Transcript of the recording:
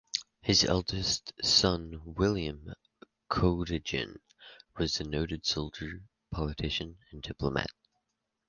His eldest son William Cadogan was a noted soldier, politician and diplomat.